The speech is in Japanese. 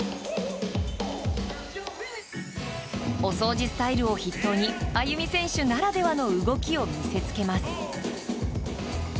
お掃除スタイルを筆頭にＡＹＵＭＩ選手ならではの動きを見せつけます。